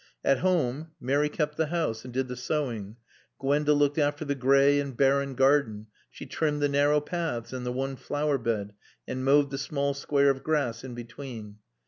At home Mary kept the house and did the sewing. Gwenda looked after the gray and barren garden, she trimmed the narrow paths and the one flower bed and mowed the small square of grass between.